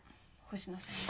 星野さんに。